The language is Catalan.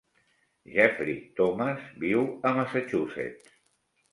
Jeffrey Thomas viu a Massachusetts.